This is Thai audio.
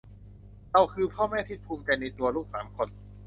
เราคือพ่อแม่ที่ภูมิใจในตัวลูกสามคน